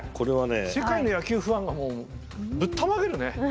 世界の野球ファンがぶったまげるね。